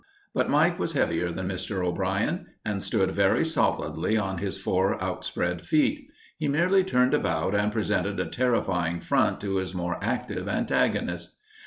But Mike was heavier than Mr. O'Brien and stood very solidly on his four outspread feet. He merely turned about and presented a terrifying front to his more active antagonist.